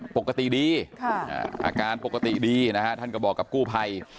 ปกติดีอาการปกติดีนะฮะท่านก็บอกกับกู้ภัย